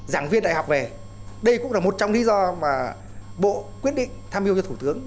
giảng viên đại học về đây cũng là một trong lý do mà bộ quyết định tham hiu cho thủ tướng